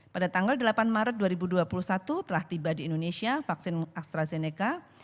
pada tanggal delapan maret dua ribu dua puluh satu telah tiba di indonesia vaksin astrazeneca